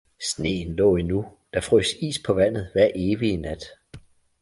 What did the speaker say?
Sneen lå endnu, der frøs is på vandet hver evige nat